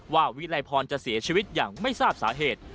วิลัยพรจะเสียชีวิตอย่างไม่ทราบสาเหตุ